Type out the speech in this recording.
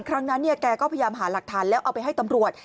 ครั้งนั้นแกก็พยายามหาหลักฐานแล้วเอาไปให้ตำรวจ